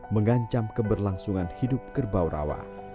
mengancam keberlangsungan hidup kerbau rawa